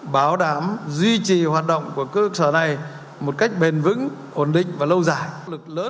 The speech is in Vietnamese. bảo đảm duy trì hoạt động của cơ sở này một cách bền vững ổn định và lâu dài